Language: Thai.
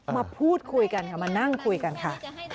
มาพูดคุยกันค่ะมานั่งคุยกันค่ะ